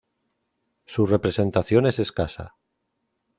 Su representación es escasa.